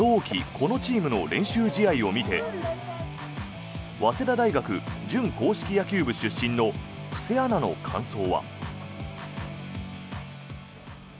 このチームの練習試合を見て早稲田大学準硬式野球部出身の布施アナの感想は。